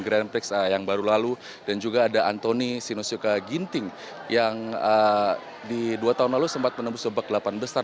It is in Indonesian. grand prix yang baru lalu dan juga ada antoni sinusyoka ginting yang di dua tahun lalu sempat menembus bak delapan besar